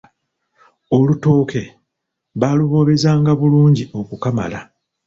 Olutooke baaluboobezanga bulungi okukamala.